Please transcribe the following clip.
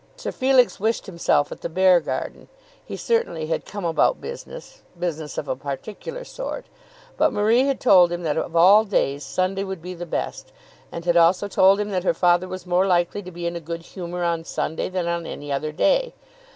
Sir Felix wished himself at the Beargarden. He certainly had come about business, business of a particular sort; but Marie had told him that of all days Sunday would be the best, and had also told him that her father was more likely to be in a good humour on Sunday than on any other day.